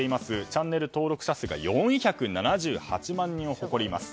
チャンネル登録者数が４７８万人を誇ります。